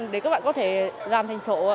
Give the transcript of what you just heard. để các bạn có thể làm thành sổ